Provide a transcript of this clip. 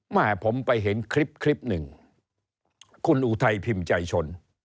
มาให้ผมไปเห็นคลิปหนึ่งคุณอุทัยพิมพ์ใจชน